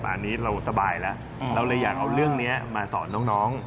อันนี้เราสบายแล้วเราเลยอยากเอาเรื่องนี้มาสอนน้อง